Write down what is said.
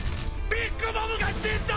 ビッグ・マムが死んだ！